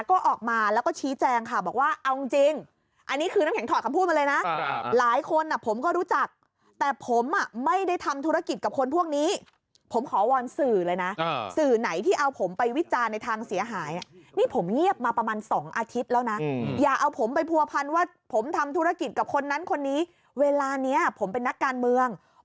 ก็ออกมาแล้วก็ชี้แจงค่ะบอกว่าเอาจริงอันนี้คือน้ำแข็งถอดคำพูดมาเลยนะหลายคนผมก็รู้จักแต่ผมอ่ะไม่ได้ทำธุรกิจกับคนพวกนี้ผมขอวอนสื่อเลยนะสื่อไหนที่เอาผมไปวิจารณ์ในทางเสียหายนี่ผมเงียบมาประมาณ๒อาทิตย์แล้วนะอย่าเอาผมไปผัวพันว่าผมทำธุรกิจกับคนนั้นคนนี้เวลานี้ผมเป็นนักการเมือง